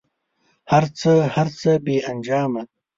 هر څه، هر څه بې انجامه